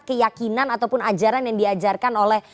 keyakinan ataupun ajaran yang diajarkan oleh